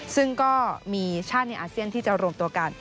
ซึ่งก็มีชาติในอาเซียนที่จะรวมตัวกัน